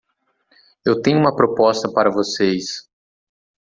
Eu tenho uma proposta para vocês.